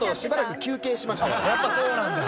やっぱそうなんだ。